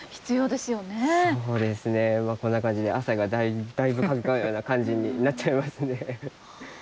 こんな感じで汗がだいぶかくような感じになっちゃいますね。